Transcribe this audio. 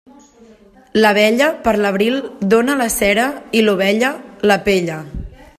L'abella per l'abril dóna la cera i l'ovella la pella.